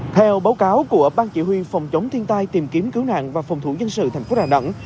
theo báo cáo của ban chỉ huy phòng chống thiên tai tìm kiếm cứu nạn và phòng thủ dân sự thành phố đà nẵng